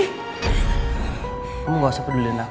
kamu gak usah peduliin aku